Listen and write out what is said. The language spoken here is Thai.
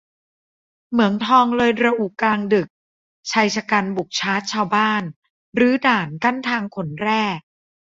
เหมืองทองเลยระอุกลางดึก-ชายฉกรรจ์บุกชาร์จชาวบ้าน-รื้อด่านกั้นทางขนแร่